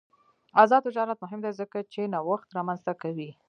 آزاد تجارت مهم دی ځکه چې نوښت رامنځته کوي.